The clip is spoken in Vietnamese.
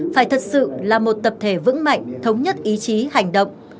phải thật sự là một tập thể vững mạnh thống nhất ý chí hành động